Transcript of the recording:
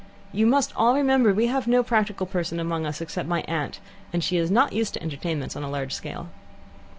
You must all remember that we have no practical person among us, except my aunt, and she is not used to entertainments on a large scale."